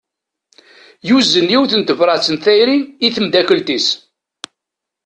Yuzen yiwet n tebrat n tayri i tmeddakelt-is.